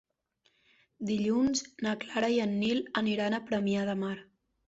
Dilluns na Clara i en Nil aniran a Premià de Mar.